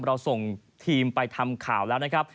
เราส่งทีมไปทำข่าวแล้วนะครับ